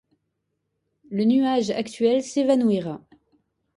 Le nuage actuel s'évanouira.